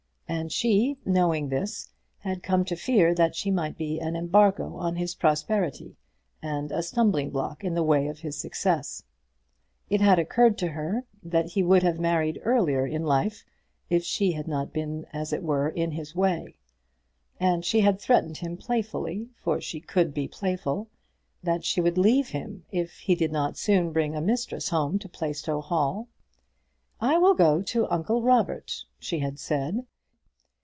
And she, knowing this, had come to fear that she might be an embargo on his prosperity, and a stumbling block in the way of his success. It had occurred to her that he would have married earlier in life if she had not been, as it were, in his way; and she had threatened him playfully, for she could be playful, that she would leave him if he did not soon bring a mistress home to Plaistow Hall. "I will go to uncle Robert," she had said.